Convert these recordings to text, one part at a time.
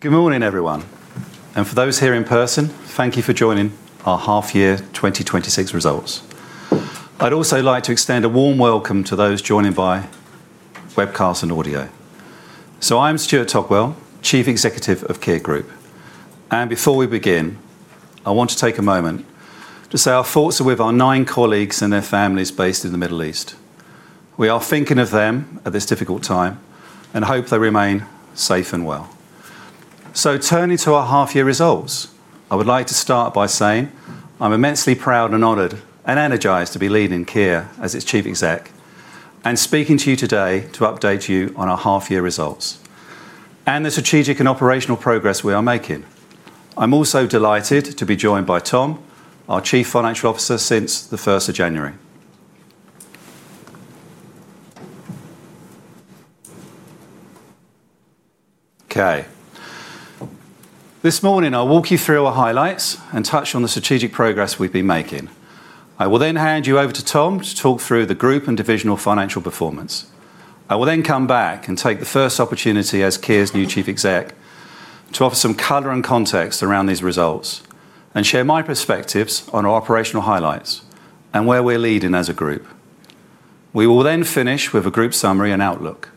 Good morning, everyone. For those here in person, thank you for joining our half year 2026 results. I would also like to extend a warm welcome to those joining by webcast and audio. I am Stuart Togwell, Chief Executive of Kier Group. Before we begin, I want to take a moment to say our thoughts are with our nine colleagues and their families based in the Middle East. We are thinking of them at this difficult time and hope they remain safe and well. Turning to our half year results, I would like to start by saying I'm immensely proud and honored and energized to be leading Kier as its Chief Exec, and speaking to you today to update you on our half year results and the strategic and operational progress we are making. I'm also delighted to be joined by Tom, our Chief Financial Officer since the first of January. This morning I'll walk you through our highlights and touch on the strategic progress we've been making. I will then hand you over to Tom to talk through the group and divisional financial performance. I will then come back and take the first opportunity as Kier's new Chief Exec to offer some color and context around these results and share my perspectives on our operational highlights and where we're leading as a group. We will then finish with a group summary and outlook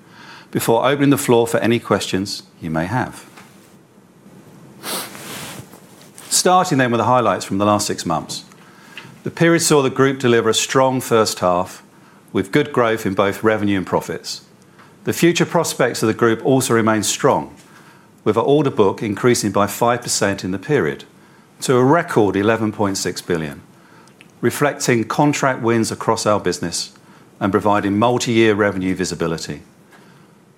before opening the floor for any questions you may have. Starting then with the highlights from the last six months. The period saw the group deliver a strong first half with good growth in both revenue and profits. The future prospects of the group also remain strong, with our order book increasing by 5% in the period to a record 11.6 billion, reflecting contract wins across our business and providing multi-year revenue visibility.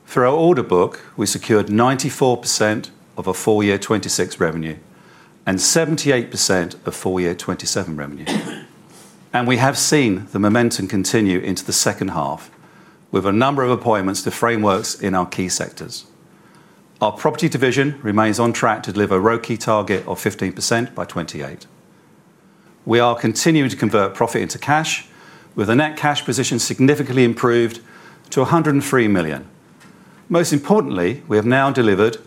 Through our order book, we secured 94% of our full year 2026 revenue and 78% of full year 2027 revenue. We have seen the momentum continue into the second half with a number of appointments to frameworks in our key sectors. Our property division remains on track to deliver a ROCE target of 15% by 2028. We are continuing to convert profit into cash, with the net cash position significantly improved to 103 million. Most importantly, we have now delivered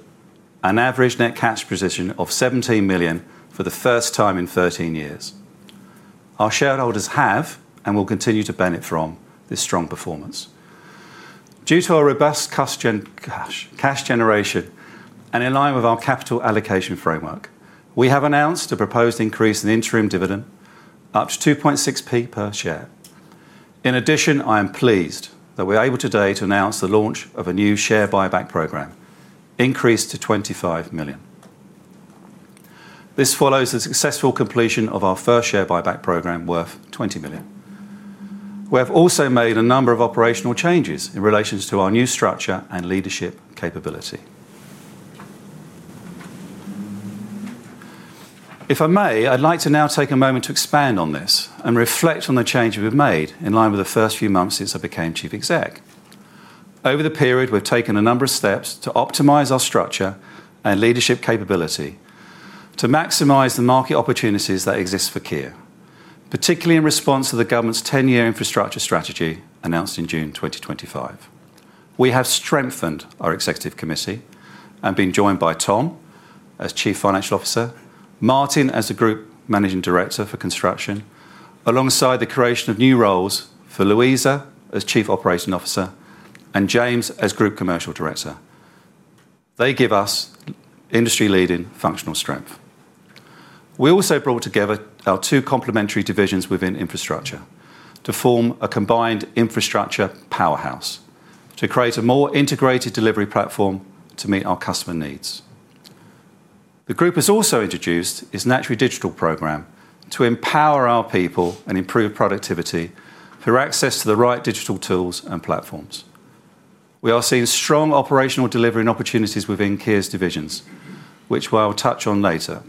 an average net cash position of 17 million for the first time in 13 years. Our shareholders have and will continue to benefit from this strong performance. Due to our robust cash generation and in line with our capital allocation framework, we have announced a proposed increase in interim dividend up to 0.026 per share. I am pleased that we are able today to announce the launch of a new share buyback program increased to 25 million. This follows the successful completion of our first share buyback program, worth 20 million. We have also made a number of operational changes in relation to our new structure and leadership capability. If I may, I'd like to now take a moment to expand on this and reflect on the change we've made in line with the first few months since I became Chief Exec. Over the period, we've taken a number of steps to optimize our structure and leadership capability to maximize the market opportunities that exist for Kier, particularly in response to the government's ten-year infrastructure strategy announced in June 2025. We have strengthened our executive committee and been joined by Tom as Chief Financial Officer, Martin as the Group Managing Director for Construction, alongside the creation of new roles for Louisa as Chief Operating Officer and James as Group Commercial Director. They give us industry-leading functional strength. We also brought together our two complementary divisions within infrastructure to form a combined infrastructure powerhouse to create a more integrated delivery platform to meet our customer needs. The group has also introduced its Naturally Digital program to empower our people and improve productivity through access to the right digital tools and platforms. We are seeing strong operational delivery and opportunities within Kier's divisions, which we'll touch on later.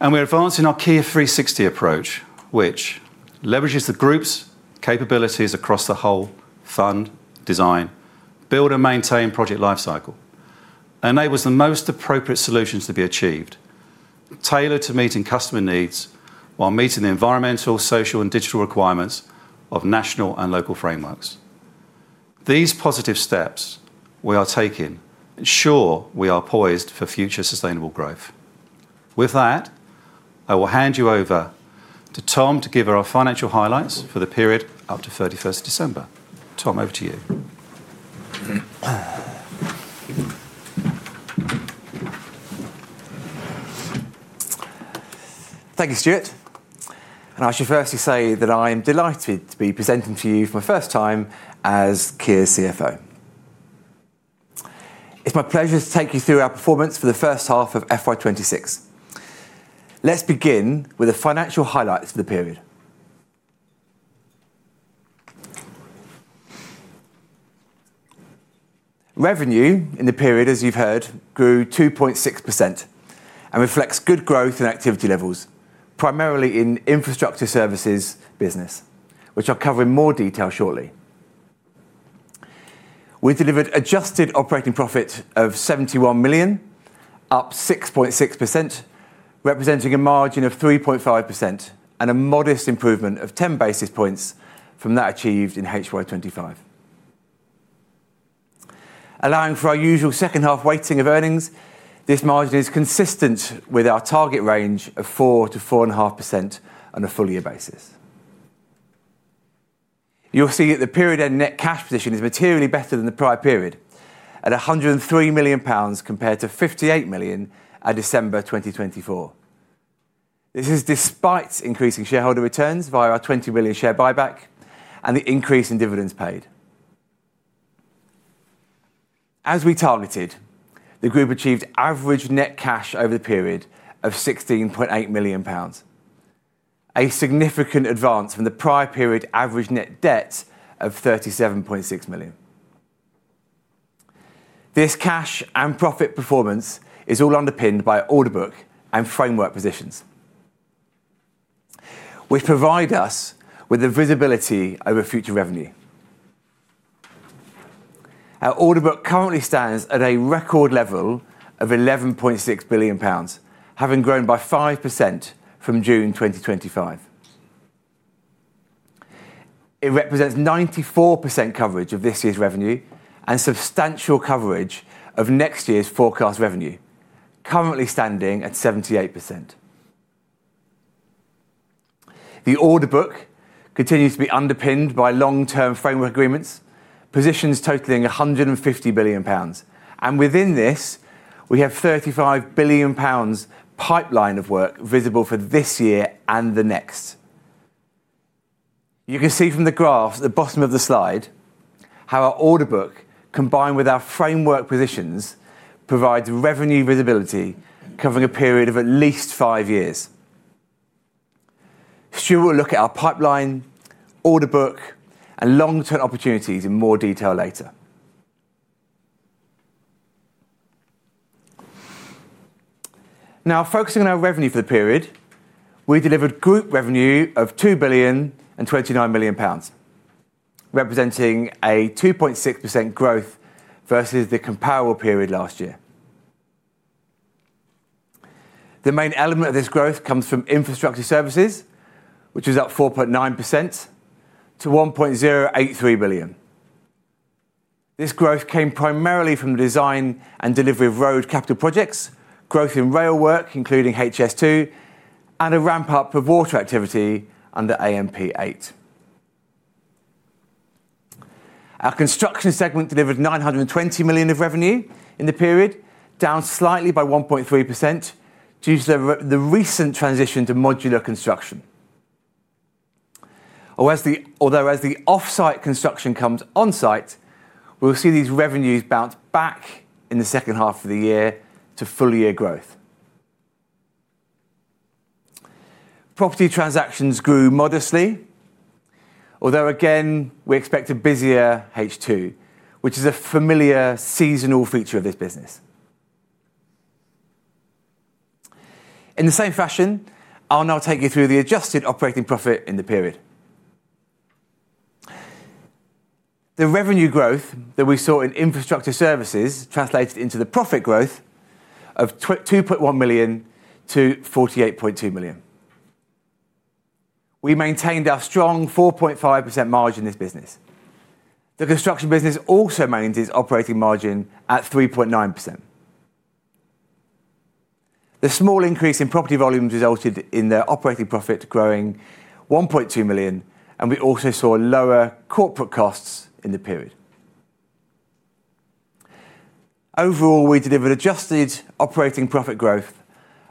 We're advancing our Kier's 360 approach, which leverages the group's capabilities across the whole fund, design, build, and maintain project lifecycle, enables the most appropriate solutions to be achieved, tailored to meeting customer needs while meeting the environmental, social, and digital requirements of national and local frameworks. These positive steps we are taking ensure we are poised for future sustainable growth. With that, I will hand you over to Tom to give our financial highlights for the period up to thirty-first of December. Tom, over to you. I should firstly say that I'm delighted to be presenting to you for my first time as Kier's CFO. It's my pleasure to take you through our performance for the first half of FY 2026. Let's begin with the financial highlights for the period. Revenue in the period, as you've heard, grew 2.6% and reflects good growth in activity levels, primarily in infrastructure services business, which I'll cover in more detail shortly. We delivered adjusted operating profit of 71 million, up 6.6%, representing a margin of 3.5% and a modest improvement of 10 basis points from that achieved in HY 2025. Allowing for our usual second-half weighting of earnings, this margin is consistent with our target range of 4%-4.5% on a full year basis. You'll see that the period end net cash position is materially better than the prior period at 103 million pounds compared to 58 million at December 2024. This is despite increasing shareholder returns via our 20 million share buyback and the increase in dividends paid. As we targeted, the group achieved average net cash over the period of 16.8 million pounds, a significant advance from the prior period average net debt of 37.6 million. This cash and profit performance is all underpinned by order book and framework positions which provide us with the visibility over future revenue. Our order book currently stands at a record level of GBP 11.6 billion, having grown by 5% from June 2025. It represents 94% coverage of this year's revenue and substantial coverage of next year's forecast revenue, currently standing at 78%. Within this we have 35 billion pounds pipeline of work visible for this year and the next. You can see from the graph at the bottom of the slide how our order book, combined with our framework positions, provides revenue visibility covering a period of at least five years. Stu will look at our pipeline, order book, and long-term opportunities in more detail later. Focusing on our revenue for the period. We delivered group revenue of 2,029 million pounds, representing a 2.6% growth versus the comparable period last year. The main element of this growth comes from infrastructure services, which is up 4.9% to 1.083 billion. This growth came primarily from the design and delivery of road capital projects, growth in rail work, including HS2, and a ramp-up of water activity under AMP8. Our construction segment delivered 920 million of revenue in the period, down slightly by 1.3% due to the recent transition to modular construction. Although as the offsite construction comes on-site, we'll see these revenues bounce back in the second half of the year to full year growth. Property transactions grew modestly, although again we expect a busier H2, which is a familiar seasonal feature of this business. In the same fashion, I'll now take you through the adjusted operating profit in the period. The revenue growth that we saw in infrastructure services translated into the profit growth of 2.1 million to 48.2 million. We maintained our strong 4.5% margin in this business. The construction business also maintains its operating margin at 3.9%. The small increase in property volumes resulted in the operating profit growing 1.2 million. We also saw lower corporate costs in the period. Overall, we delivered adjusted operating profit growth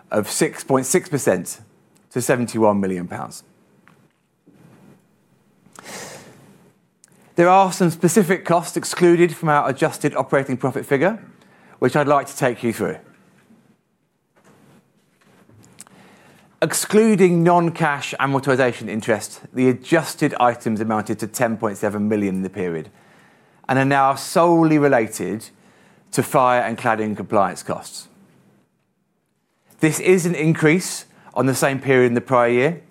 of 6.6% to 71 million pounds. There are some specific costs excluded from our adjusted operating profit figure, which I'd like to take you through. Excluding non-cash amortization interest, the adjusted items amounted to 10.7 million in the period and are now solely related to fire and cladding compliance costs. This is an increase on the same period in the prior year.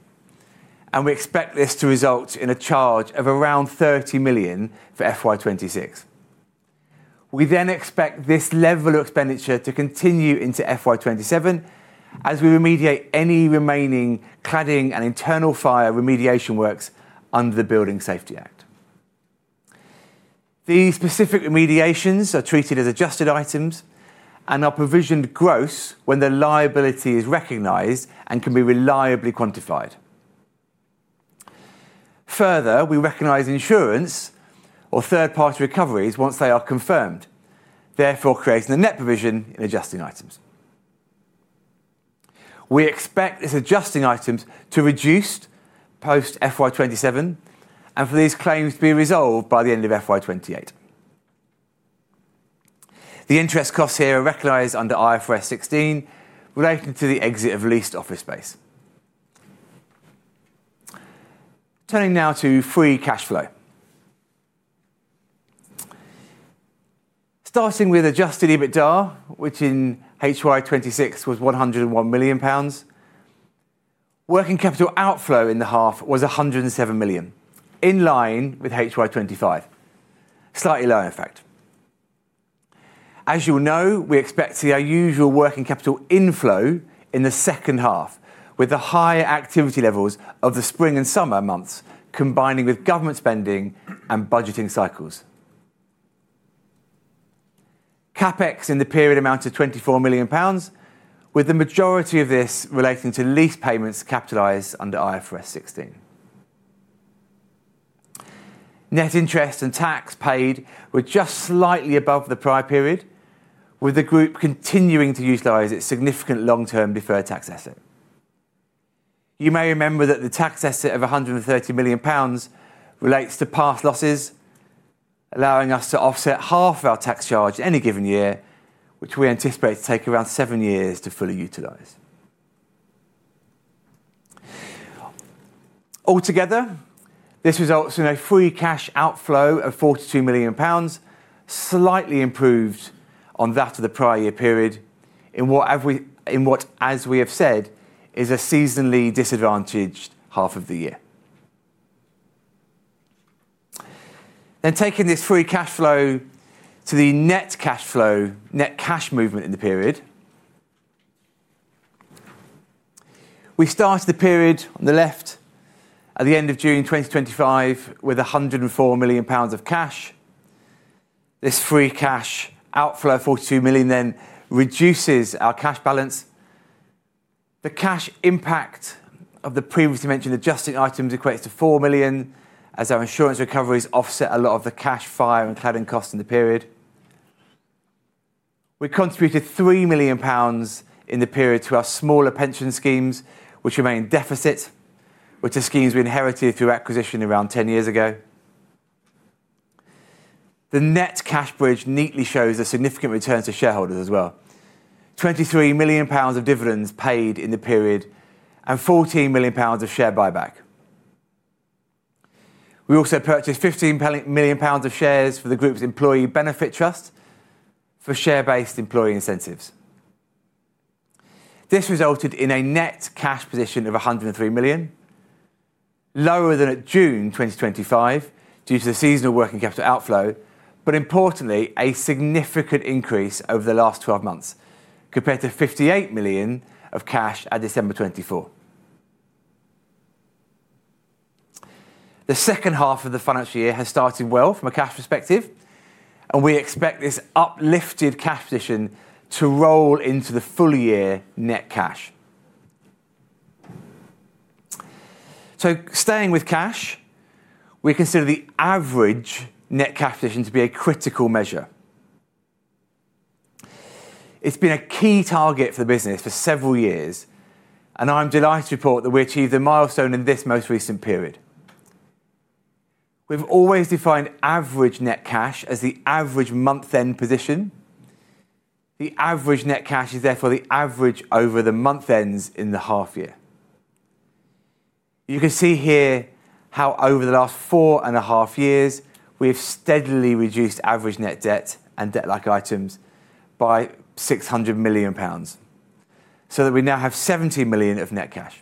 We expect this to result in a charge of around 30 million for FY 2026. We expect this level of expenditure to continue into FY 2027 as we remediate any remaining cladding and internal fire remediation works under the Building Safety Act. These specific remediations are treated as adjusted items and are provisioned gross when the liability is recognized and can be reliably quantified. Further, we recognize insurance or third-party recoveries once they are confirmed, therefore creating a net provision in adjusting items. We expect these adjusting items to reduce post FY 2027 and for these claims to be resolved by the end of FY 2028. The interest costs here are recognized under IFRS 16 relating to the exit of leased office space. Turning now to free cash flow. Starting with Adjusted EBITDA, which in HY 2026 was 101 million pounds. Working capital outflow in the half was 107 million, in line with HY 2025. Slightly lower, in fact. As you'll know, we expect to see our usual working capital inflow in the second half, with the higher activity levels of the spring and summer months combining with government spending and budgeting cycles. CapEx in the period amounted 24 million pounds, with the majority of this relating to lease payments capitalized under IFRS 16. Net interest and tax paid were just slightly above the prior period, with the group continuing to utilize its significant long-term deferred tax asset. You may remember that the tax asset of 130 million pounds relates to past losses, allowing us to offset half of our tax charge any given year, which we anticipate to take around seven years to fully utilize. Altogether, this results in a free cash outflow of 42 million pounds, slightly improved on that of the prior year period in what, as we have said, is a seasonally disadvantaged half of the year. Taking this free cash flow to the net cash flow, net cash movement in the period. We started the period on the left at the end of June 2025 with 104 million pounds of cash. This free cash outflow, 42 million, then reduces our cash balance. The cash impact of the previously mentioned adjusting items equates to 4 million, as our insurance recoveries offset a lot of the cash fire and cladding costs in the period. We contributed 3 million pounds in the period to our smaller pension schemes, which remain in deficit, which are schemes we inherited through acquisition around 10 years ago. The net cash bridge neatly shows a significant return to shareholders as well. 23 million pounds of dividends paid in the period and 14 million pounds of share buyback. We also purchased 15 million pounds of shares for the group's employee benefit trust for share-based employee incentives. This resulted in a net cash position of 103 million, lower than at June 2025 due to the seasonal working capital outflow, but importantly, a significant increase over the last 12 months compared to 58 million of cash at December 2024. The second half of the financial year has started well from a cash perspective, and we expect this uplifted cash position to roll into the full year net cash. Staying with cash, we consider the average net cash position to be a critical measure. It's been a key target for the business for several years, and I'm delighted to report that we achieved a milestone in this most recent period. We've always defined average net cash as the average month-end position. The average net cash is therefore the average over the month ends in the half year. You can see here how over the last 4.5 years, we have steadily reduced average net debt and debt-like items by 600 million pounds, so that we now have 70 million of net cash.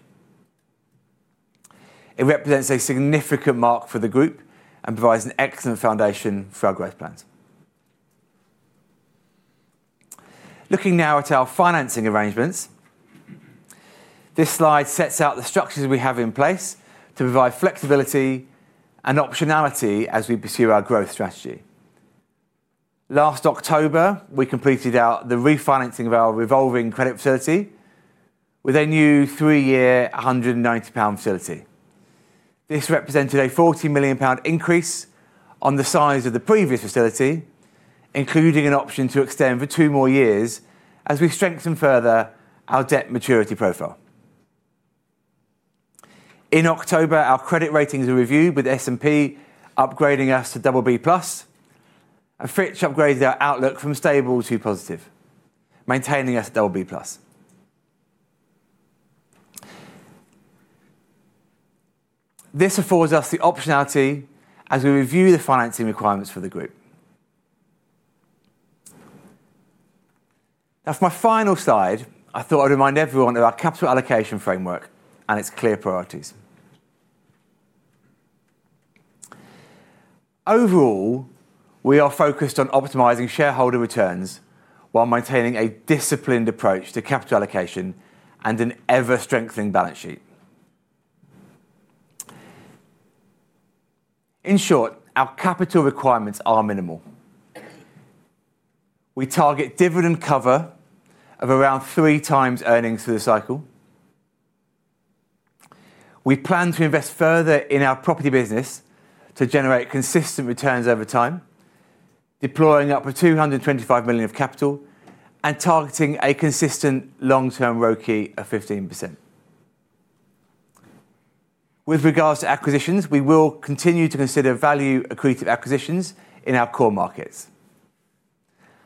It represents a significant mark for the group and provides an excellent foundation for our growth plans. Looking now at our financing arrangements, this slide sets out the structures we have in place to provide flexibility and optionality as we pursue our growth strategy. Last October, we completed the refinancing of our revolving credit facility with a new three-year 190 million pound facility. This represented a 40 million pound increase on the size of the previous facility, including an option to extend for two more years as we strengthen further our debt maturity profile. In October, our credit ratings were reviewed, with S&P upgrading us to BB+. Fitch upgraded our outlook from stable to positive, maintaining us BB+. This affords us the optionality as we review the financing requirements for the group. For my final slide, I thought I'd remind everyone of our capital allocation framework and its clear priorities. Overall, we are focused on optimizing shareholder returns while maintaining a disciplined approach to capital allocation and an ever-strengthening balance sheet. In short, our capital requirements are minimal. We target dividend cover of around three times earnings through the cycle. We plan to invest further in our property business to generate consistent returns over time, deploying up to 225 million of capital and targeting a consistent long-term ROCE of 15%. With regards to acquisitions, we will continue to consider value-accretive acquisitions in our core markets.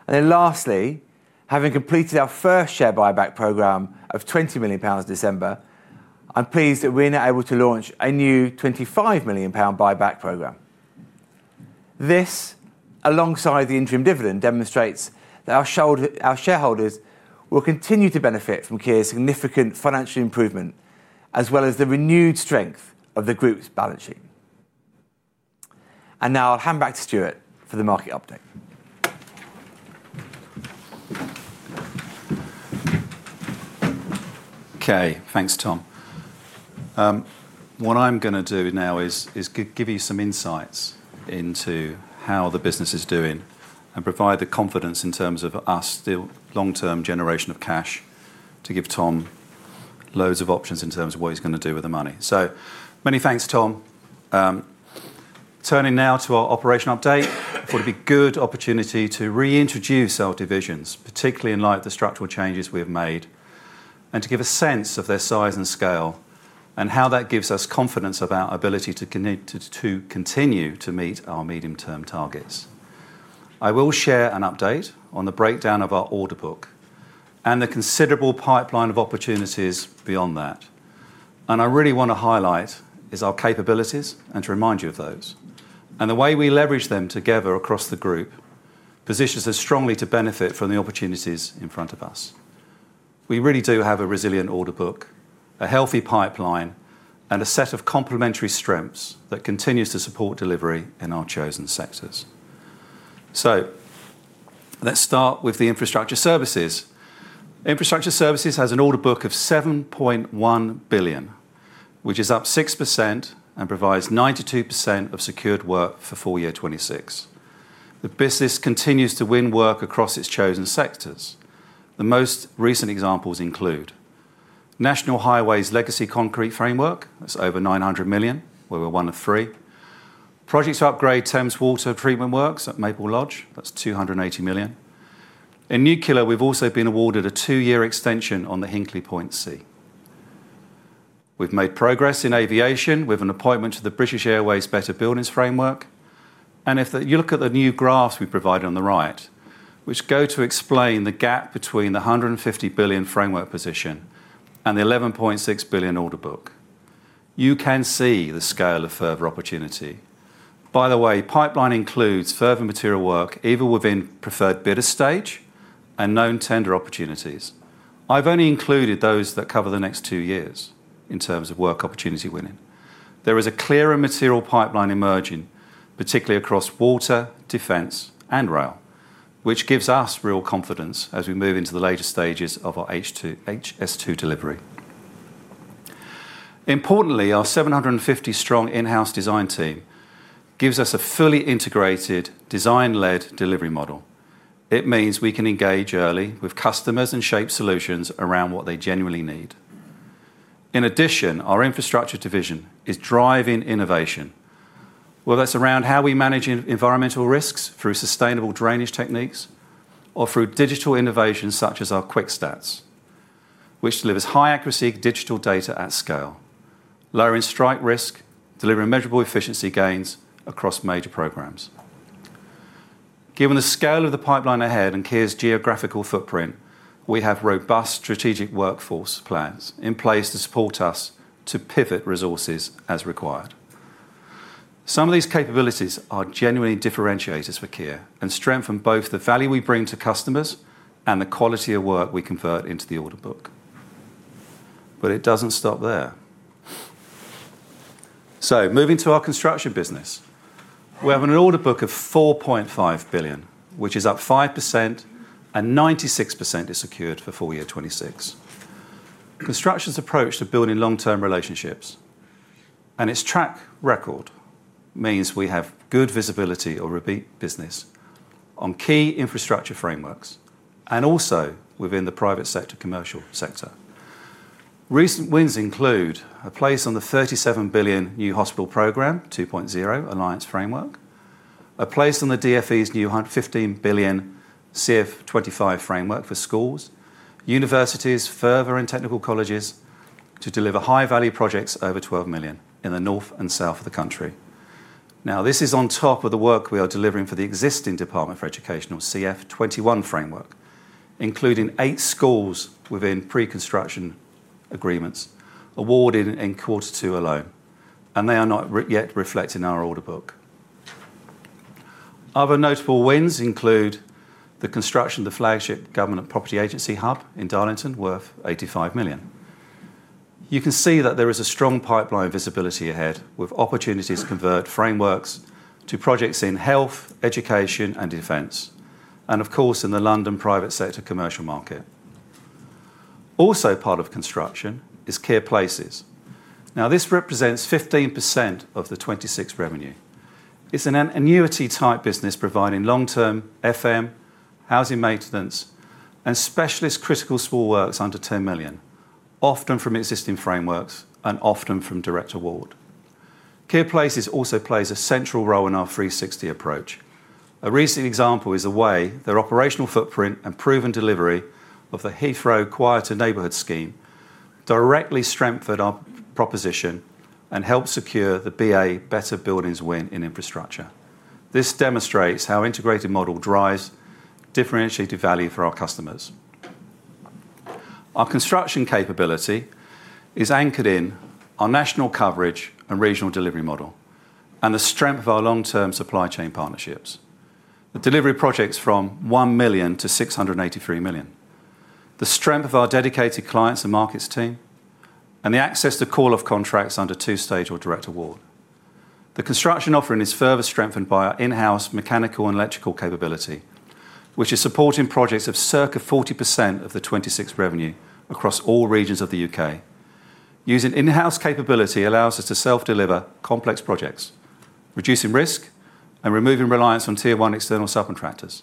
Lastly, having completed our first share buyback program of 20 million pounds December, I'm pleased that we're now able to launch a new 25 million pound buyback program. This, alongside the interim dividend, demonstrates that our shareholders will continue to benefit from Kier's significant financial improvement, as well as the renewed strength of the Group's balance sheet. Now I'll hand back to Stuart for the market update. Okay. Thanks, Tom. What I'm gonna do now is give you some insights into how the business is doing and provide the confidence in terms of us still long-term generation of cash to give Tom loads of options in terms of what he's gonna do with the money. Many thanks, Tom. Turning now to our operation update, I thought it'd be good opportunity to reintroduce our divisions, particularly in light of the structural changes we have made, and to give a sense of their size and scale and how that gives us confidence of our ability to continue to meet our medium-term targets. I will share an update on the breakdown of our order book and the considerable pipeline of opportunities beyond that. I really wanna highlight is our capabilities and to remind you of those. The way we leverage them together across the group positions us strongly to benefit from the opportunities in front of us. We really do have a resilient order book, a healthy pipeline, and a set of complementary strengths that continues to support delivery in our chosen sectors. Let's start with the infrastructure services. Infrastructure services has an order book of 7.1 billion, which is up 6% and provides 92% of secured work for full year 2026. The business continues to win work across its chosen sectors. The most recent examples include National Highways Legacy Concrete Framework. That's over 900 million, where we're one of three. Projects to upgrade Thames Water Treatment Works at Maple Lodge, that's 280 million. In nuclear, we've also been awarded a 2-year extension on the Hinkley Point C. We've made progress in aviation with an appointment to the British Airways Better Buildings Framework. If you look at the new graphs we provided on the right, which go to explain the gap between the 150 billion framework position and the 11.6 billion order book, you can see the scale of further opportunity. By the way, pipeline includes further material work, either within preferred bidder stage and known tender opportunities. I've only included those that cover the next two years in terms of work opportunity winning. There is a clearer material pipeline emerging, particularly across water, defense, and rail, which gives us real confidence as we move into the later stages of our HS2 delivery. Importantly, our 750 strong in-house design team gives us a fully integrated design-led delivery model. It means we can engage early with customers and shape solutions around what they genuinely need. In addition, our infrastructure division is driving innovation, whether it's around how we manage environmental risks through sustainable drainage techniques or through digital innovations such as our QuikSTATS, which delivers high-accuracy digital data at scale, lowering strike risk, delivering measurable efficiency gains across major programs. Given the scale of the pipeline ahead and Kier's geographical footprint, we have robust strategic workforce plans in place to support us to pivot resources as required. Some of these capabilities are genuinely differentiators for Kier and strengthen both the value we bring to customers and the quality of work we convert into the order book. It doesn't stop there. Moving to our construction business, we have an order book of 4.5 billion, which is up 5% and 96% is secured for full year 2026. Construction's approach to building long-term relationships and its track record means we have good visibility or repeat business on key infrastructure frameworks and also within the private sector, commercial sector. Recent wins include a place on the 37 billion New Hospital Programme 2.0 Alliance framework, a place on the DfE's new 15 billion CF25 framework for schools, universities, further and technical colleges to deliver high-value projects over 12 million in the north and south of the country. This is on top of the work we are delivering for the existing Department for Education or CF21 framework, including eight schools within pre-construction agreements awarded in quarter two alone. They are not yet reflected in our order book. Other notable wins include the construction of the flagship Government Property Agency Hub in Darlington, worth 85 million. You can see that there is a strong pipeline of visibility ahead with opportunities to convert frameworks to projects in health, education, and defense, and of course, in the London private sector commercial market. Also part of construction is Kier Places. This represents 15% of the 26 revenue. It's an annuity type business providing long-term FM, housing maintenance, and specialist critical small works under 10 million, often from existing frameworks and often from direct award. Kier Places also plays a central role in our 360 approach. A recent example is the way their operational footprint and proven delivery of the Heathrow Quieter Neighborhood Scheme directly strengthened our proposition and helped secure the BA Better Buildings win in infrastructure. This demonstrates how integrated model drives differentiated value for our customers. Our construction capability is anchored in our national coverage and regional delivery model and the strength of our long-term supply chain partnerships. The delivery projects from 1 million to 683 million. The strength of our dedicated clients and markets team, and the access to call of contracts under two-stage or direct award. The construction offering is further strengthened by our in-house mechanical and electrical capability, which is supporting projects of circa 40% of the 26 revenue across all regions of the U.K. Using in-house capability allows us to self-deliver complex projects, reducing risk and removing reliance on tier one external subcontractors.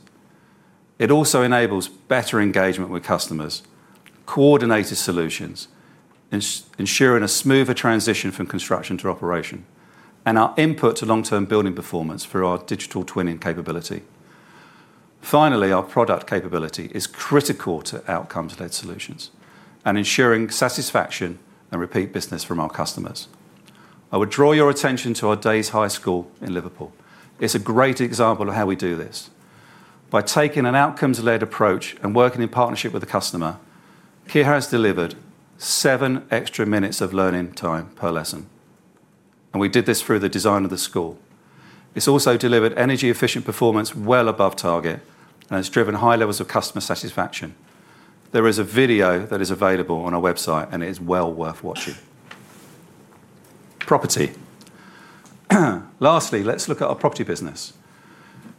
It also enables better engagement with customers, coordinated solutions, ensuring a smoother transition from construction to operation, and our input to long-term building performance through our digital twinning capability. Finally, our product capability is critical to outcomes led solutions and ensuring satisfaction and repeat business from our customers. I would draw your attention to our Deyes High School in Liverpool. It's a great example of how we do this. By taking an outcomes-led approach and working in partnership with the customer, Kier has delivered seven extra minutes of learning time per lesson, and we did this through the design of the school. It's also delivered energy-efficient performance well above target, and it's driven high levels of customer satisfaction. There is a video that is available on our website, and it is well worth watching. Property. Lastly, let's look at our property business.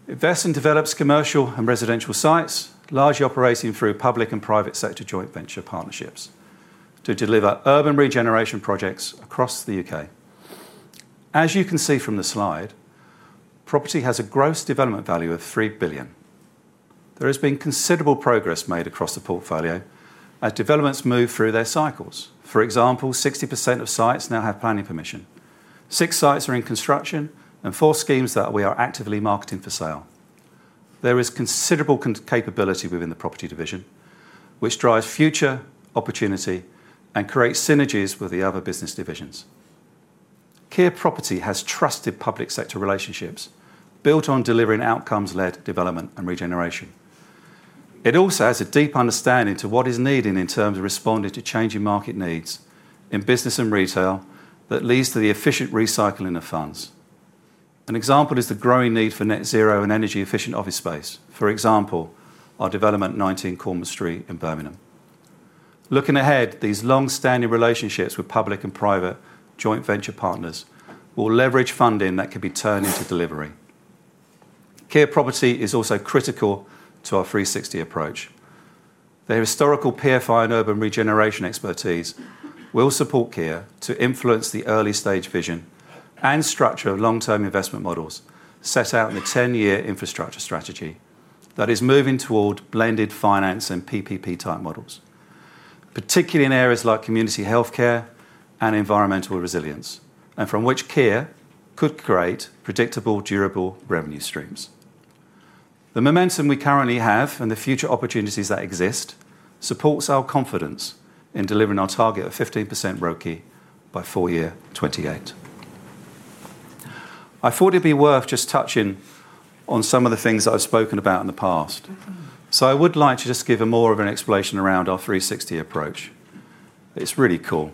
It invests and develops commercial and residential sites, largely operating through public and private sector joint venture partnerships to deliver urban regeneration projects across the U.K. As you can see from the slide, property has a gross development value of 3 billion. There has been considerable progress made across the portfolio as developments move through their cycles. 60% of sites now have planning permission. Six sites are in construction and four schemes that we are actively marketing for sale. There is considerable capability within the property division, which drives future opportunity and creates synergies with the other business divisions. Kier Property has trusted public sector relationships built on delivering outcomes-led development and regeneration. It also has a deep understanding to what is needed in terms of responding to changing market needs in business and retail that leads to the efficient recycling of funds. An example is the growing need for net zero and energy-efficient office space. Our development, 19 Cornwall Street in Birmingham. Looking ahead, these long-standing relationships with public and private joint venture partners will leverage funding that can be turned into delivery. Kier Property is also critical to our three sixty approach. The historical PFI and urban regeneration expertise will support Kier to influence the early-stage vision and structure of long-term investment models set out in the ten-year infrastructure strategy that is moving toward blended finance and PPP-type models, particularly in areas like community healthcare and environmental resilience, and from which Kier could create predictable, durable revenue streams. The momentum we currently have and the future opportunities that exist supports our confidence in delivering our target of 15% ROCE by full year 2028. I thought it'd be worth just touching on some of the things that I've spoken about in the past. I would like to just give a more of an explanation around our three sixty approach. It's really cool.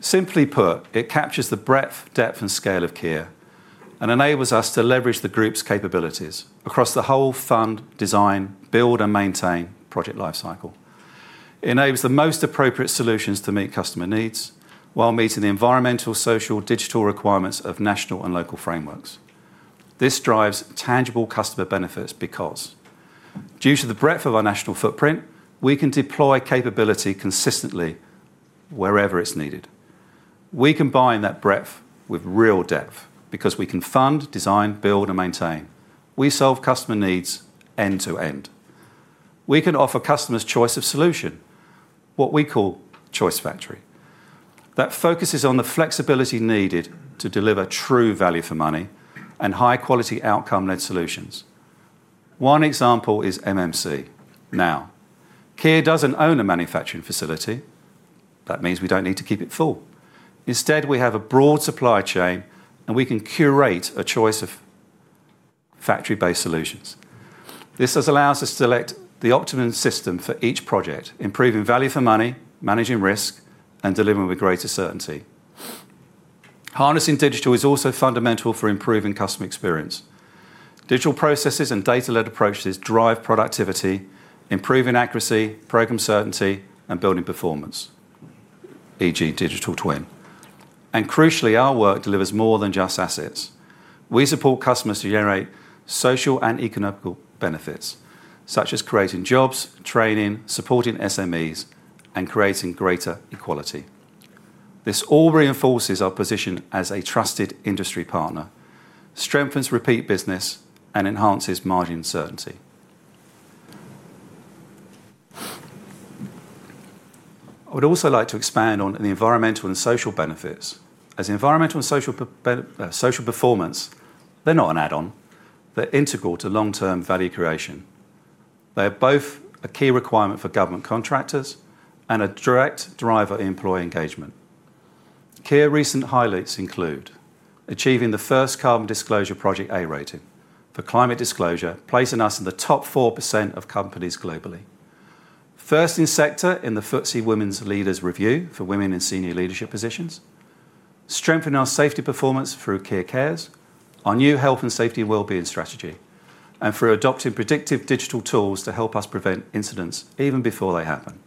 Simply put, it captures the breadth, depth, and scale of Kier and enables us to leverage the Group's capabilities across the whole fund, design, build, and maintain project life cycle. Enables the most appropriate solutions to meet customer needs while meeting the environmental, social, digital requirements of national and local frameworks. This drives tangible customer benefits because due to the breadth of our national footprint, we can deploy capability consistently wherever it's needed. We combine that breadth with real depth because we can fund, design, build, and maintain. We solve customer needs end to end. We can offer customers choice of solution, what we call Choice Factory, that focuses on the flexibility needed to deliver true value for money and high-quality outcome led solutions. One example is MMC. Now, Kier doesn't own a manufacturing facility. That means we don't need to keep it full. Instead, we have a broad supply chain, and we can curate a choice of factory-based solutions. This has allowed us to select the optimum system for each project, improving value for money, managing risk, and delivering with greater certainty. Harnessing digital is also fundamental for improving customer experience. Digital processes and data-led approaches drive productivity, improving accuracy, program certainty, and building performance, e.g. digital twin. Crucially, our work delivers more than just assets. We support customers to generate social and economical benefits, such as creating jobs, training, supporting SMEs, and creating greater equality. This all reinforces our position as a trusted industry partner, strengthens repeat business, and enhances margin certainty. I would also like to expand on the environmental and social benefits as environmental and social performance, they're not an add-on. They're integral to long-term value creation. They're both a key requirement for government contractors and a direct driver employee engagement. Key recent highlights include achieving the first Carbon Disclosure Project A rating for climate disclosure, placing us in the top 4% of companies globally. First in sector in the FTSE Women Leaders Review for women in senior leadership positions. Strengthen our safety performance through Care Cares, our new health and safety wellbeing strategy, and through adopting predictive digital tools to help us prevent incidents even before they happen.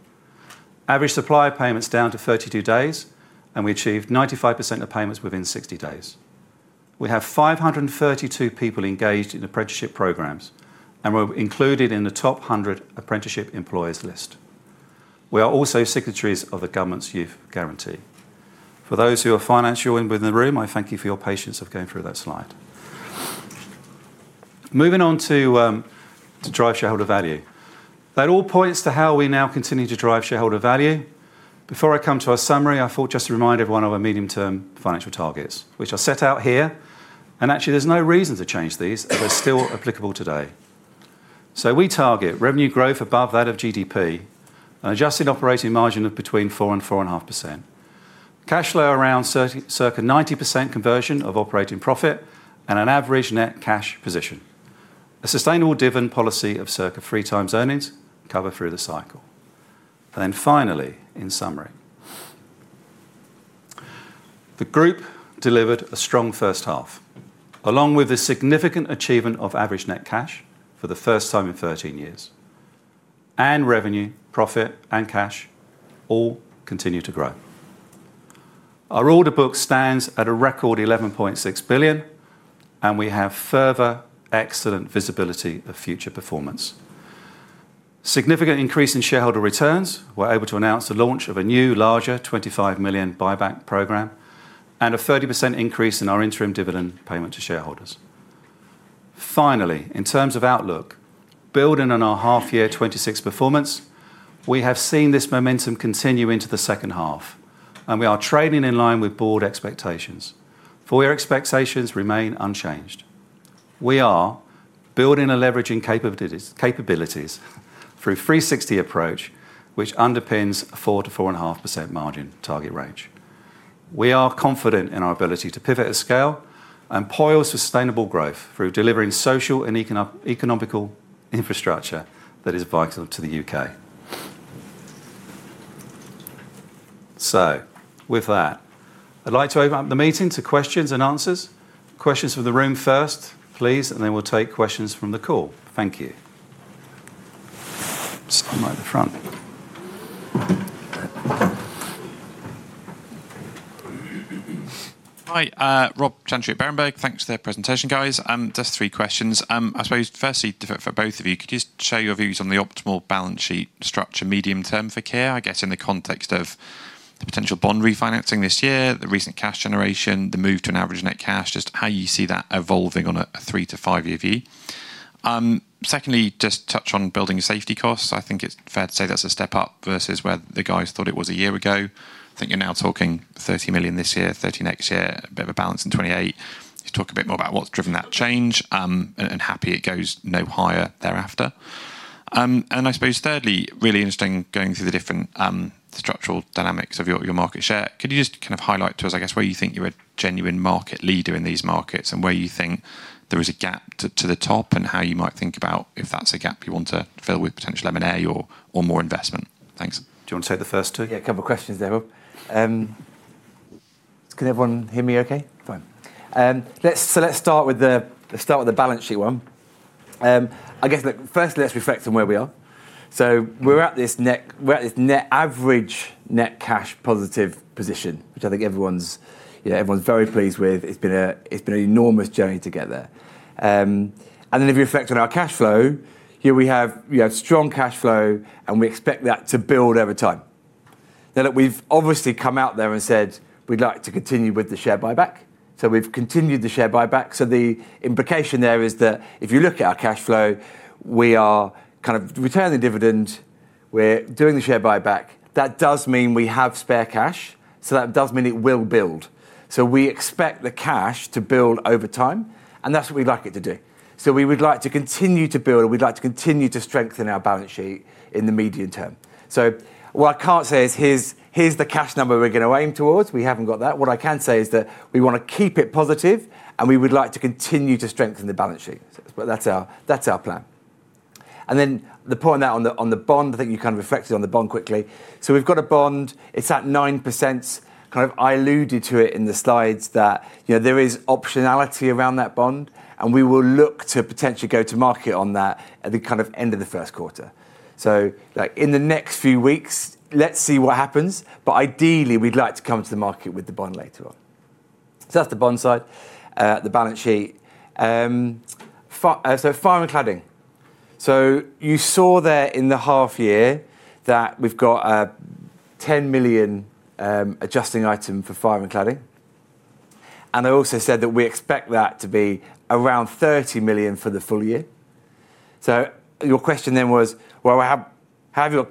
We achieved 32 days, and we achieved 95% of payments within 60 days. We have 532 people engaged in apprenticeship programs, and we're included in the top 100 apprenticeship employers list. We are also secretaries of the government's Youth Guarantee. For those who are financially within the room, I thank you for your patience of going through that slide. Moving on to drive shareholder value. That all points to how we now continue to drive shareholder value. Before I come to our summary, I thought just to remind everyone of our medium-term financial targets, which are set out here. Actually, there's no reason to change these. They're still applicable today. We target revenue growth above that of GDP, an adjusted operating margin of between 4 and 4.5%. Cash flow around circa 90% conversion of operating profit and an average net cash position. A sustainable dividend policy of circa 3 times earnings cover through the cycle. Finally, in summary, the group delivered a strong first half, along with a significant achievement of average net cash for the first time in 13 years. Revenue, profit, and cash all continue to grow. Our order book stands at a record 11.6 billion, and we have further excellent visibility of future performance. Significant increase in shareholder returns, we're able to announce the launch of a new, larger 25 million buyback program and a 30% increase in our interim dividend payment to shareholders. Finally, in terms of outlook, building on our HY 2026 performance, we have seen this momentum continue into the second half, and we are trading in line with board expectations. Full year expectations remain unchanged. We are building and leveraging capabilities through 360 Approach, which underpins 4%-4.5% margin target range. We are confident in our ability to pivot at scale and pile sustainable growth through delivering social and economical infrastructure that is vital to the U.K. With that, I'd like to open up the meeting to questions and answers. Questions for the room first, please, and then we'll take questions from the call. Thank you. Start right at the front. Hi, Robert Chantry at Berenberg. Thanks for the presentation, guys. Just three questions. I suppose firstly, for both of you, could you just share your views on the optimal balance sheet structure medium term for Kier, I guess, in the context of the potential bond refinancing this year, the recent cash generation, the move to an average net cash, just how you see that evolving on a three to five-year view. Secondly, just touch on Building Safety costs. I think it's fair to say that's a step up versus where the guys thought it was a year ago. I think you're now talking 30 million this year, 30 next year, a bit of a balance in 2028. Just talk a bit more about what's driven that change, and happy it goes no higher thereafter. I suppose thirdly, really interesting going through the different structural dynamics of your market share. Could you just kind of highlight to us, I guess, where you think you're a genuine market leader in these markets and where you think there is a gap to the top and how you might think about if that's a gap you want to fill with potential M&A or more investment? Thanks. Do you want to take the first two? Yeah, a couple of questions there, Rob. Can everyone hear me okay? Fine. Let's start with the balance sheet one. I guess, look, firstly, let's reflect on where we are. We're at this net average net cash positive position, which I think everyone's, you know, very pleased with. It's been an enormous journey to get there. If you reflect on our cash flow, here we have strong cash flow, and we expect that to build over time. Now, look, we've obviously come out there and said we'd like to continue with the share buyback. We've continued the share buyback. The implication there is that if you look at our cash flow, we are kind of returning the dividend, we're doing the share buyback. That does mean we have spare cash, so that does mean it will build. We expect the cash to build over time, and that's what we'd like it to do. We would like to continue to build, we'd like to continue to strengthen our balance sheet in the medium term. What I can't say is, here's the cash number we're gonna aim towards. We haven't got that. What I can say is that we wanna keep it positive, and we would like to continue to strengthen the balance sheet. That's our, that's our plan. The point out on the, on the bond, I think you kind of reflected on the bond quickly. We've got a bond. It's at 9%. I alluded to it in the slides that there is optionality around that bond, we will look to potentially go to market on that at the end of the first quarter. In the next few weeks, let's see what happens. Ideally, we'd like to come to the market with the bond later on. That's the bond side, the balance sheet. Fire and cladding. You saw there in the half year that we've got a 10 million adjusting item for fire and cladding. I also said that we expect that to be around 30 million for the full year. Your question was, how have you got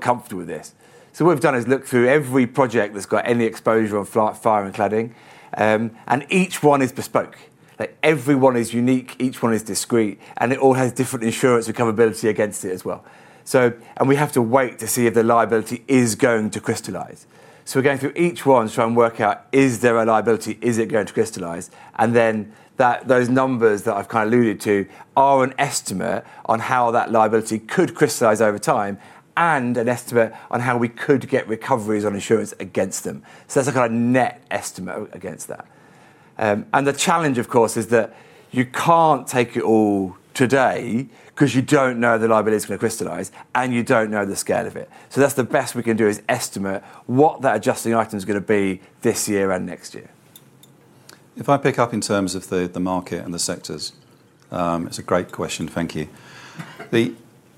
comfortable with this? What we've done is look through every project that's got any exposure on fire and cladding, and each one is bespoke. Like, every one is unique, each one is discrete, and it all has different insurance recoverability against it as well. We have to wait to see if the liability is going to crystallize. We're going through each one to try and work out is there a liability, is it going to crystallize? Then those numbers that I've kind of alluded to are an estimate on how that liability could crystallize over time and an estimate on how we could get recoveries on insurance against them. That's like our net estimate against that. The challenge of course is that you can't take it all today 'cause you don't know the liability is gonna crystallize, and you don't know the scale of it. That's the best we can do, is estimate what that adjusting item is gonna be this year and next year. If I pick up in terms of the market and the sectors, it's a great question. Thank you.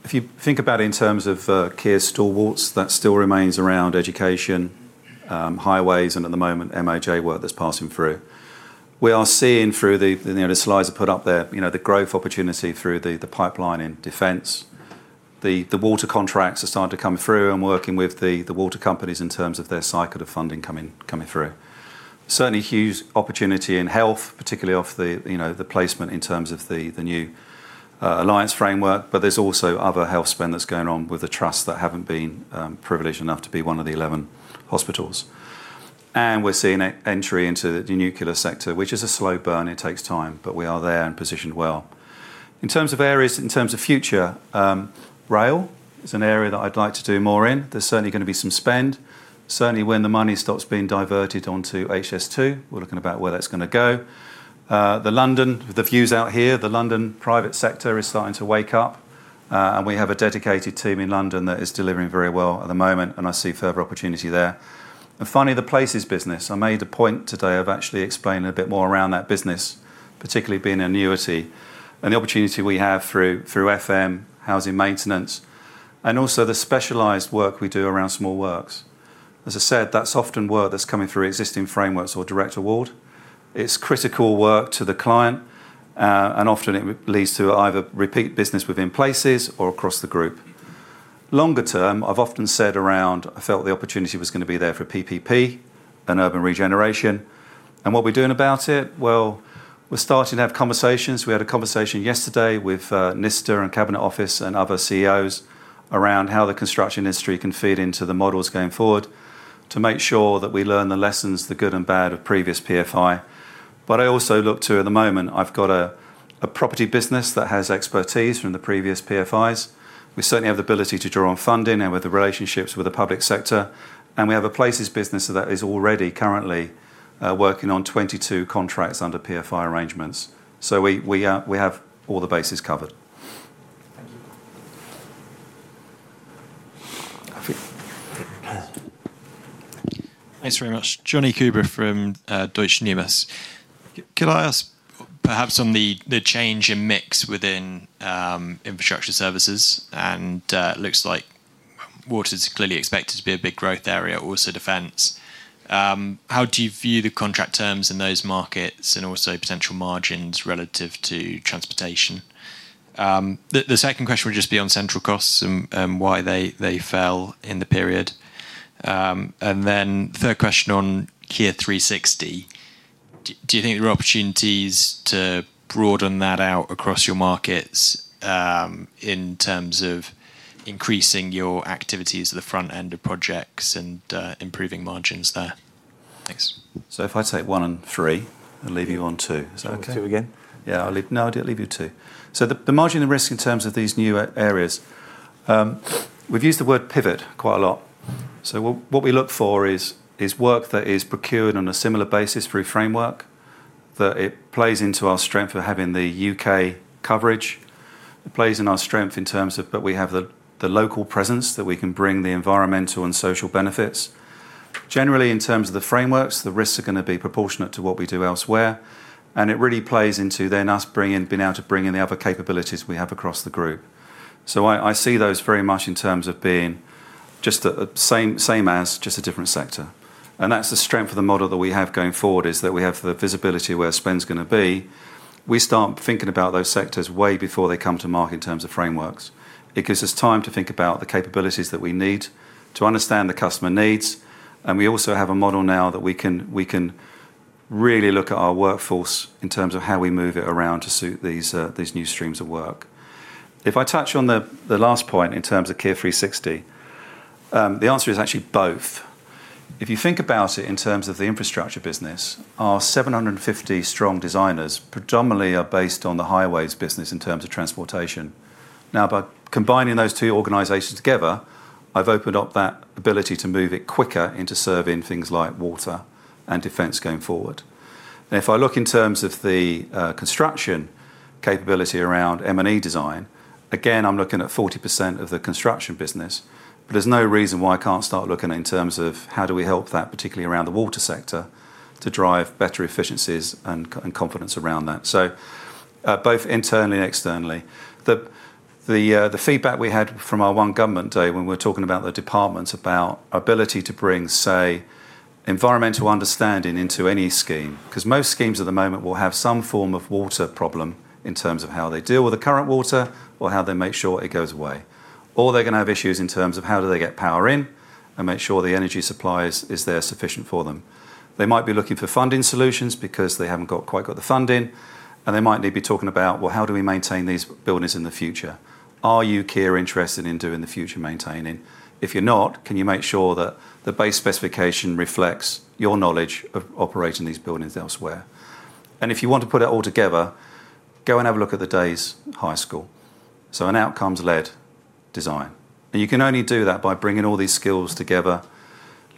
If you think about it in terms of Kier stalwarts, that still remains around education, highways and at the moment MOJ work that's passing through. We are seeing through the, you know, the slides I put up there, you know, the growth opportunity through the pipeline in defense. The water contracts are starting to come through and working with the water companies in terms of their cycle of funding coming through. Certainly huge opportunity in health, particularly off the, you know, the placement in terms of the new Alliance framework, but there's also other health spend that's going on with the trusts that haven't been privileged enough to be one of the 11 hospitals. We're seeing e-entry into the nuclear sector, which is a slow burn. It takes time, but we are there and positioned well. In terms of areas, in terms of future, rail is an area that I'd like to do more in. There's certainly gonna be some spend. Certainly when the money stops being diverted onto HS2, we're looking about where that's gonna go. The London, the views out here, the London private sector is starting to wake up, and we have a dedicated team in London that is delivering very well at the moment, and I see further opportunity there. Finally, the Places business. I made a point today of actually explaining a bit more around that business, particularly being annuity and the opportunity we have through FM, housing maintenance and also the specialized work we do around small works. As I said, that's often work that's coming through existing frameworks or direct award. It's critical work to the client, and often it leads to either repeat business within Places or across the group. Longer term, I've often said around I felt the opportunity was going to be there for PPP and urban regeneration. What are we doing about it? Well, we're starting to have conversations. We had a conversation yesterday with [NISRA] and Cabinet Office and other CEOs around how the construction industry can feed into the models going forward to make sure that we learn the lessons, the good and bad of previous PFI. I also look to at the moment, I've got a property business that has expertise from the previous PFIs. We certainly have the ability to draw on funding and with the relationships with the public sector, and we have a Places business that is already currently working on 22 contracts under PFI arrangements. We have all the bases covered. Thank you. Thanks very much. Jonny Coubrough from Deutsche Numis. Could I ask perhaps on the change in mix within infrastructure services and looks like water is clearly expected to be a big growth area, also defense. How do you view the contract terms in those markets and also potential margins relative to transportation? The second question would just be on central costs and why they fell in the period. Third question on Kier's 360 approach. Do you think there are opportunities to broaden that out across your markets in terms of increasing your activities at the front end of projects and improving margins there? Thanks. If I take one and three and leave you on two. Is that okay? Do you want two again? I'll leave you two. The margin and risk in terms of these new e-areas, we've used the word pivot quite a lot. What we look for is work that is procured on a similar basis through framework, that it plays into our strength of having the U.K. coverage. It plays in our strength in terms of that we have the local presence, that we can bring the environmental and social benefits. Generally, in terms of the frameworks, the risks are going to be proportionate to what we do elsewhere, it really plays into then us bringing, being able to bring in the other capabilities we have across the Group. I see those very much in terms of being just the same as just a different sector. That's the strength of the model that we have going forward, is that we have the visibility of where spend's gonna be. We start thinking about those sectors way before they come to market in terms of frameworks. It gives us time to think about the capabilities that we need to understand the customer needs, and we also have a model now that we can really look at our workforce in terms of how we move it around to suit these new streams of work. If I touch on the last point in terms of Kier's 360 approach, the answer is actually both. If you think about it in terms of the infrastructure business, our 750 strong designers predominantly are based on the highways business in terms of transportation. By combining those two organizations together, I've opened up that ability to move it quicker into serving things like water and defense going forward. If I look in terms of the construction capability around M&E design, again, I'm looking at 40% of the construction business, but there's no reason why I can't start looking in terms of how do we help that, particularly around the water sector, to drive better efficiencies and competence around that. Both internally and externally. The feedback we had from our One Government Day when we were talking about the departments about ability to bring, say, environmental understanding into any scheme. Most schemes at the moment will have some form of water problem in terms of how they deal with the current water or how they make sure it goes away. They're gonna have issues in terms of how do they get power in and make sure the energy supplies is there sufficient for them. They might be looking for funding solutions because they haven't quite got the funding, and they might need to be talking about, well, how do we maintain these buildings in the future? Are you Kier interested in doing the future maintaining? If you're not, can you make sure that the base specification reflects your knowledge of operating these buildings elsewhere? If you want to put it all together, go and have a look at The Deyes High School. An outcomes-led design. You can only do that by bringing all these skills together,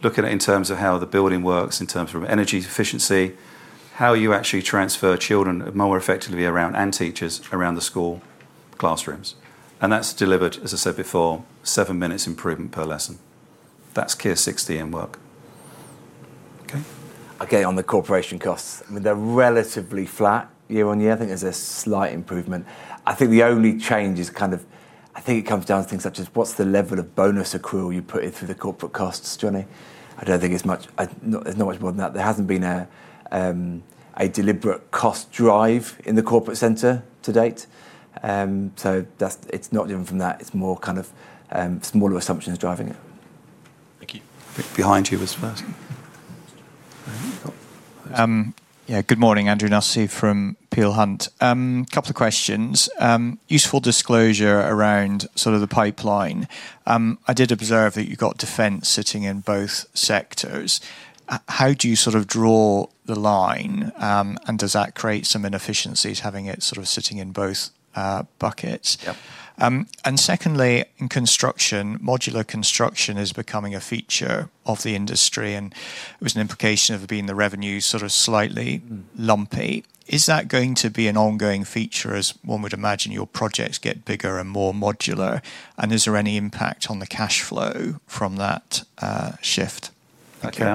looking at in terms of how the building works, in terms of energy efficiency, how you actually transfer children more effectively around, and teachers, around the school classrooms. That's delivered, as I said before, 7 minutes improvement per lesson. That's Kier 360 in work. Okay? On the corporation costs, I mean, they're relatively flat year-on-year. I think there's a slight improvement. I think the only change is I think it comes down to things such as what's the level of bonus accrual you put in for the corporate costs, Jonny? I don't think it's much. There's not much more than that. There hasn't been a deliberate cost drive in the corporate center to date. It's not driven from that. It's more kind of smaller assumptions driving it. Thank you. Behind you was first. Yeah, good morning. Andrew Nussey from Peel Hunt. Couple of questions. Useful disclosure around sort of the pipeline. I did observe that you've got defense sitting in both sectors. How do you sort of draw the line, and does that create some inefficiencies having it sort of sitting in both buckets? Yep. Secondly, in construction, modular construction is becoming a feature of the industry, there was an implication of it being the revenue. Mm. -lumpy. Is that going to be an ongoing feature, as one would imagine your projects get bigger and more modular, and is there any impact on the cash flow from that, shift? Thank you.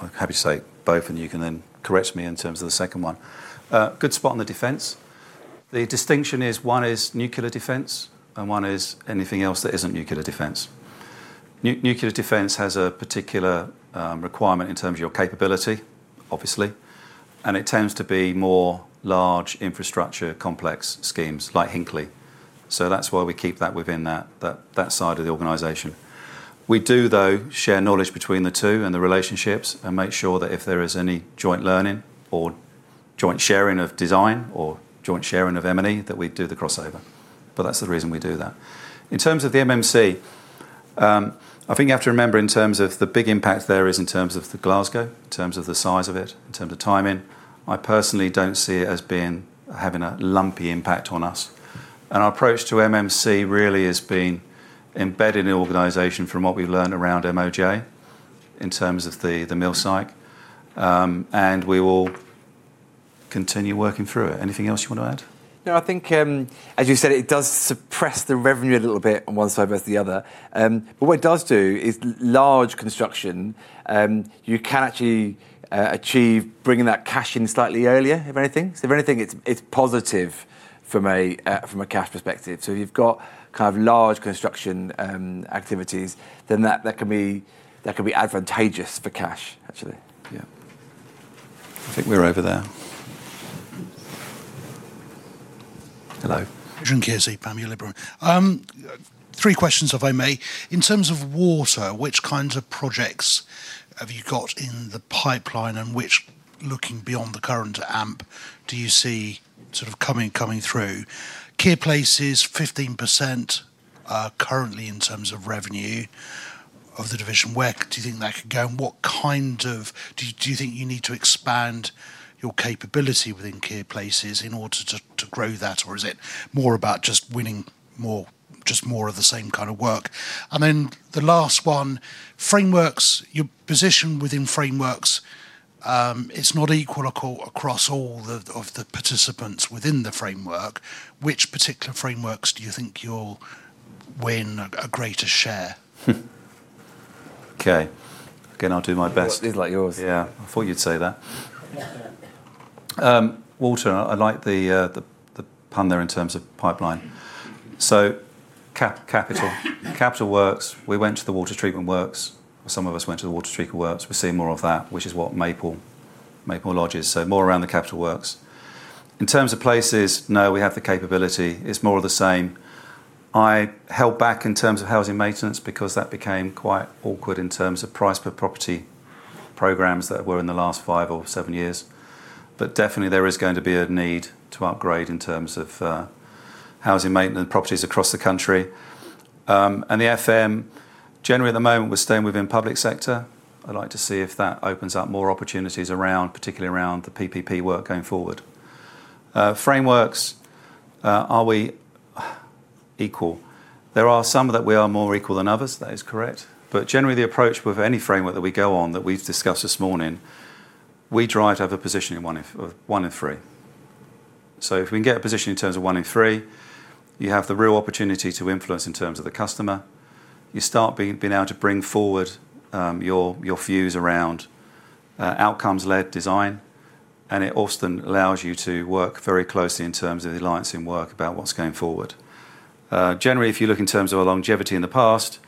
I'm happy to say both. You can then correct me in terms of the second one. Good spot on the defense. The distinction is one is nuclear defense and one is anything else that isn't nuclear defense. Nuclear defense has a particular requirement in terms of your capability, obviously, and it tends to be more large infrastructure complex schemes like Hinkley. That's why we keep that within that side of the organization. We do, though, share knowledge between the two and the relationships and make sure that if there is any joint learning or joint sharing of design or joint sharing of M&E, that we do the crossover. That's the reason we do that. In terms of the MMC, I think you have to remember in terms of the big impact there is in terms of the Glasgow, in terms of the size of it, in terms of timing. I personally don't see it as being or having a lumpy impact on us. Our approach to MMC really has been embedded in the organization from what we've learned around MOJ in terms of the mill site, and we will continue working through it. Anything else you want to add? I think, as you said, it does suppress the revenue a little bit on one side versus the other. What it does do is large construction, you can actually achieve bringing that cash in slightly earlier, if anything. If anything, it's positive from a cash perspective. You've got kind of large construction activities, then that can be advantageous for cash, actually. Yeah. I think we're over there. Hello. [John Casey], Liberum. Three questions, if I may. In terms of water, which kinds of projects have you got in the pipeline and which, looking beyond the current amp, do you see sort of coming through? Kier Places, 15%, currently in terms of revenue of the division. Where do you think that could go? Do you think you need to expand your capability within Kier Places in order to grow that, or is it more about just winning more of the same kind of work? The last one, frameworks, your position within frameworks, it's not equal across all of the participants within the framework. Which particular frameworks do you think you'll win a greater share? Okay. Again, I'll do my best. He'll like yours. Yeah. I thought you'd say that. Water, I like the pun there in terms of pipeline. Capital works, we went to the water treatment works. Some of us went to the water treatment works. We're seeing more of that, which is what Maple Lodge is, more around the capital works. In terms of places, no, we have the capability. It's more of the same. I held back in terms of housing maintenance because that became quite awkward in terms of price per property programs that were in the last five or seven years. Definitely there is going to be a need to upgrade in terms of housing maintenance properties across the country. The FM, generally at the moment we're staying within public sector. I'd like to see if that opens up more opportunities around, particularly around the PPP work going forward. Frameworks, are we equal? There are some that we are more equal than others, that is correct. Generally the approach with any framework that we go on that we've discussed this morning, we try to have a position in one in three. If we can get a position in terms of one in three, you have the real opportunity to influence in terms of the customer. You start being able to bring forward, your views around outcomes-led design, and it also then allows you to work very closely in terms of the alliance in work about what's going forward. Generally, if you look in terms of our longevity in the past,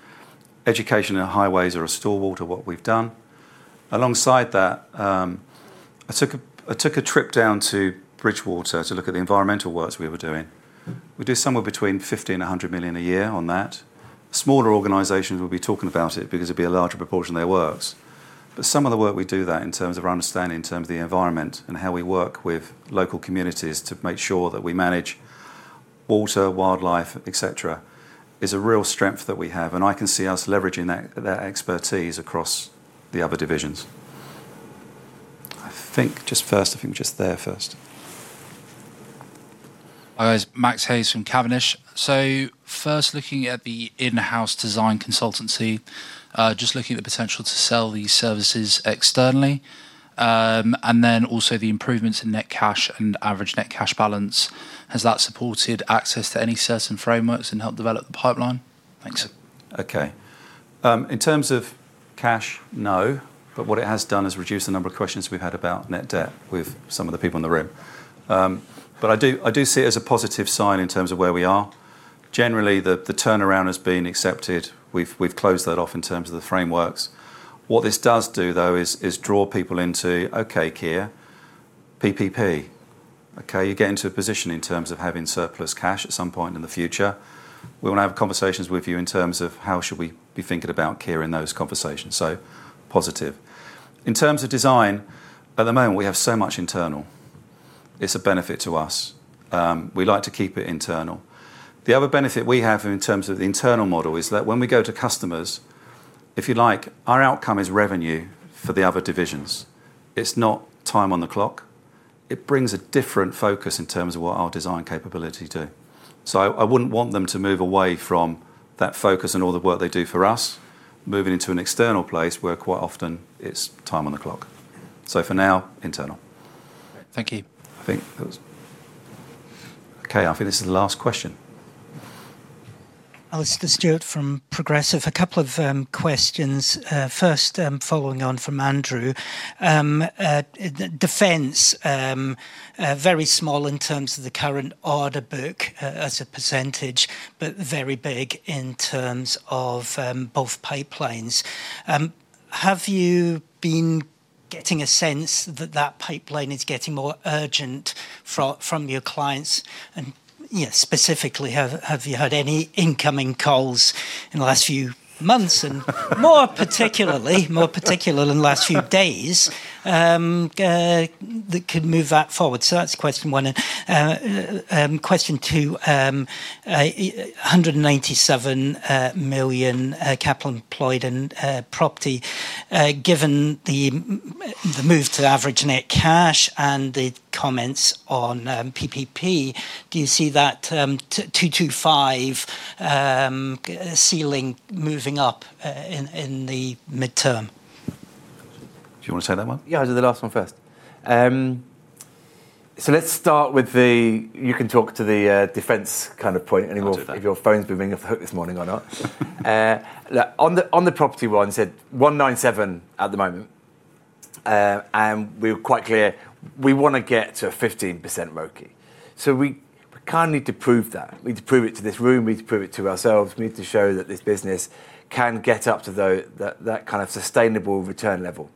education and highways are a stalwart of what we've done. Alongside that, I took a trip down to Bridgwater to look at the environmental works we were doing. We do somewhere between 50 million and 100 million a year on that. Smaller organizations will be talking about it because it'd be a larger proportion of their works. Some of the work we do there in terms of our understanding, in terms of the environment and how we work with local communities to make sure that we manage water, wildlife, et cetera, is a real strength that we have, and I can see us leveraging that expertise across the other divisions. I think just first, I think just there first. Hi, guys. Max Hayes from Cavendish. First looking at the in-house design consultancy, just looking at the potential to sell these services externally. The improvements in net cash and average net cash balance, has that supported access to any certain frameworks and helped develop the pipeline? Thanks. Okay. In terms of cash, no. What it has done is reduce the number of questions we've had about net debt with some of the people in the room. I do see it as a positive sign in terms of where we are. Generally, the turnaround has been accepted. We've closed that off in terms of the frameworks. What this does do, though, is draw people into, okay, Kier, PPP. Okay. You get into a position in terms of having surplus cash at some point in the future. We wanna have conversations with you in terms of how should we be thinking about Kier in those conversations. Positive. In terms of design, at the moment, we have so much internal. It's a benefit to us. We like to keep it internal. The other benefit we have in terms of the internal model is that when we go to customers, if you like, our outcome is revenue for the other divisions. It's not time on the clock. It brings a different focus in terms of what our design capability do. I wouldn't want them to move away from that focus and all the work they do for us, moving into an external place where quite often it's time on the clock. For now, internal. Thank you. I think that was. Okay, I think this is the last question. Alastair Stewart from Progressive. A couple of questions. First, following on from Andrew, defense, very small in terms of the current order book as a percentage, but very big in terms of both pipelines. Have you been getting a sense that that pipeline is getting more urgent from your clients? You know, specifically, have you had any incoming calls in the last few months and more particular in the last few days that could move that forward? That's question one. Question two, 197 million capital employed in property. Given the move to average net cash and the comments on PPP, do you see that 225 ceiling moving up in the midterm? Do you wanna take that one? I'll do the last one first. You can talk to the defense kind of point... I'll do that. ...and if your phone's been ringing off the hook this morning or not. On the property one, you said 197 at the moment. We're quite clear we wanna get to a 15% ROCE. We kind of need to prove that. We need to prove it to this room, we need to prove it to ourselves. We need to show that this business can get up to that kind of sustainable return level.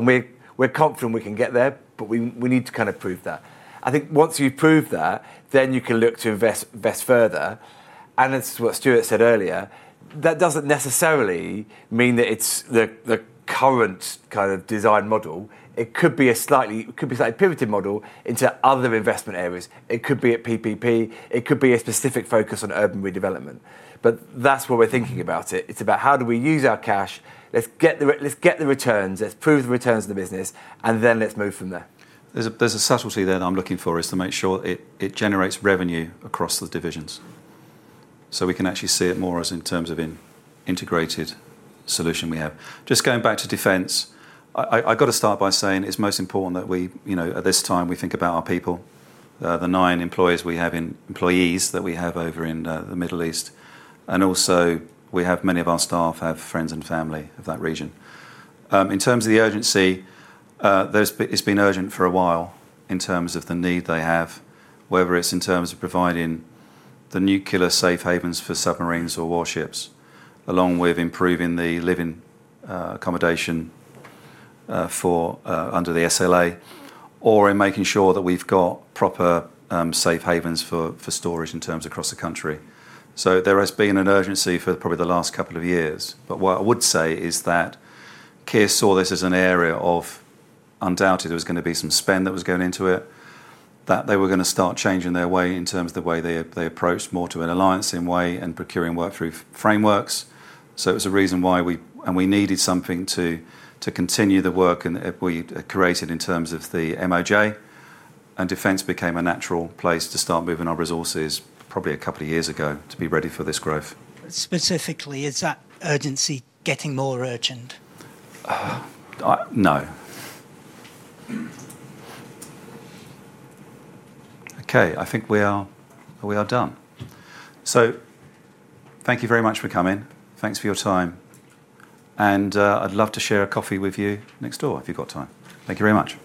We're confident we can get there, but we need to kind of prove that. I think once you've proved that, then you can look to invest further. As to what Stuart said earlier, that doesn't necessarily mean that it's the current kind of design model. It could be a slightly pivoted model into other investment areas. It could be at PPP. It could be a specific focus on urban redevelopment. That's what we're thinking about it. It's about how do we use our cash? Let's get the returns. Let's prove the returns of the business, and then let's move from there. There's a subtlety that I'm looking for is to make sure it generates revenue across the divisions. We can actually see it more as in terms of an integrated solution we have. Just going back to defense, I got to start by saying it's most important that we, you know, at this time, we think about our people. The 9 employees that we have over in the Middle East, and also we have many of our staff have friends and family of that region. In terms of the urgency, it's been urgent for a while in terms of the need they have, whether it's in terms of providing the nuclear safe havens for submarines or warships, along with improving the living accommodation for under the SLA or in making sure that we've got proper safe havens for storage in terms across the country. There has been an urgency for probably the last couple of years. What I would say is that Kier saw this as an area of undoubted there was gonna be some spend that was going into it, that they were gonna start changing their way in terms of the way they approached more to an alliance in way and procuring work through frameworks. It was a reason why we and we needed something to continue the work and we'd created in terms of the MOJ and defense became a natural place to start moving our resources probably a couple of years ago to be ready for this growth. Specifically, is that urgency getting more urgent? No. Okay, I think we are done. Thank you very much for coming. Thanks for your time. I'd love to share a coffee with you next door if you've got time. Thank you very much.